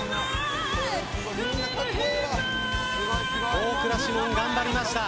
大倉士門、頑張りました。